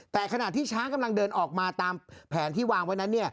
แต่ขณะที่ช้างกำลังเดินออกมาตามแผนที่วางไว้นั้น